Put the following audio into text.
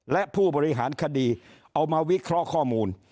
และผู้บริหารคดีเอามาวิเคราะห์ข้อมูล